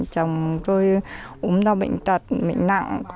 chồng tôi ốm đau bệnh tật bệnh nặng